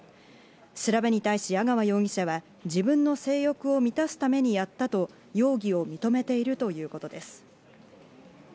調べに対し阿川容疑者は自分の性欲を満たすためにやったと容疑を認めているということです。